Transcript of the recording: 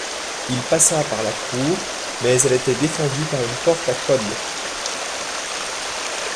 Il passa par la cour mais elle était défendue par une porte à code.